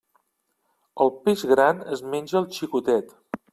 El peix gran es menja al xicotet.